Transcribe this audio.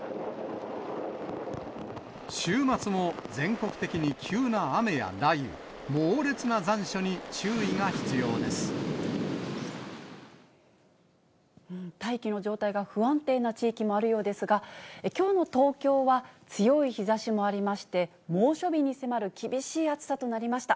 週末も全国的に急な雨や雷雨、大気の状態が不安定な地域もあるようですが、きょうの東京は強い日ざしもありまして、猛暑日に迫る厳しい暑さとなりました。